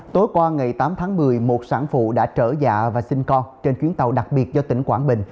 tối qua ngày tám tháng một mươi một sản phụ đã trở dạ và sinh con trên chuyến tàu đặc biệt do tỉnh quảng bình